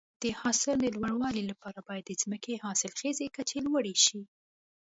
د حاصل د لوړوالي لپاره باید د ځمکې حاصلخیزي کچه لوړه شي.